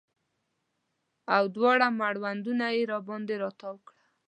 او دواړه مړوندونه یې باندې راتاو کړه